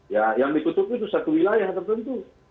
ya yang ditutup itu satu wilayah tertentu